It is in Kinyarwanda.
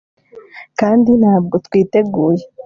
kandi ntabwo twiteguye